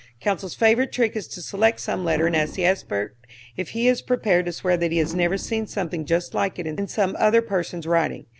Counsel's favourite trick is to select some letter and ask the expert if he is prepared to swear that he has never seen something just like it in some other person's writing.